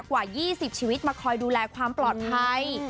กว่า๒๐ชีวิตมาคอยดูแลความปลอดภัย